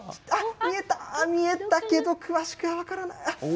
あっ、見えたけど、詳しくは分からない。